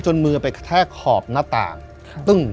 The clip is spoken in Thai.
จนมือไปแท่ขอบหน้าต่าง